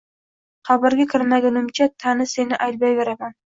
Qabrga kirmagunimcha, Tani, seni ayblayveraman